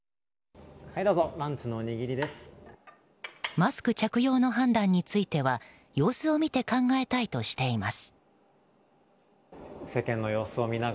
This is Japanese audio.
マスク着用の判断については様子を見て考えたいとしています。